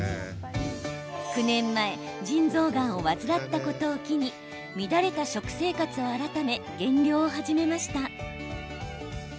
９年前腎臓がんを患ったことを機に乱れた食生活を改め減量を始めました。